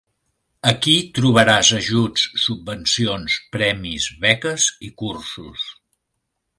Aquí trobaràs ajuts, subvencions, premis, beques i cursos.